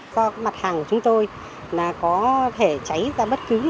do mặt hàng của chúng tôi là có thể cháy ra bất cứ lúc nào